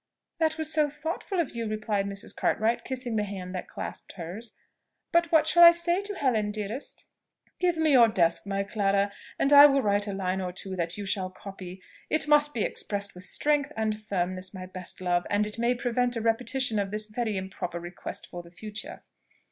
"That was so thoughtful of you!" replied Mrs. Cartwright, kissing the hand that clasped hers. "But what shall I say to Helen, dearest?" "Give me your desk, my Clara, and I will write a line or two, that you shall copy. It must be expressed with strength and firmness, my best love, and it may prevent a repetition of this very improper request for the future."